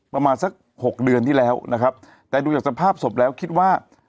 ประมาณสักหกเดือนที่แล้วนะครับแต่ดูจากสภาพศพแล้วคิดว่า